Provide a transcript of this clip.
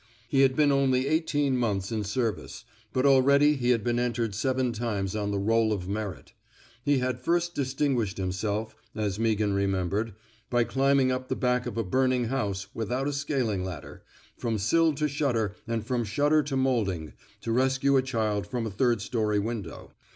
He had been only eighteen months in serv ice, but already he had been entered seven times on the Boll of Merit. He had first distinguished himself, as Meaghan remem bered, by climbing up the back of a burning house, without a scaling ladder, from sill to shutter and from shutter to molding, to res cue a child from a third story window.